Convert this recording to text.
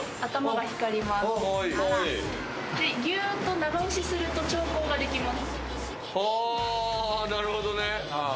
長押しすると調光ができます。